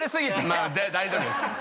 まあ大丈夫です。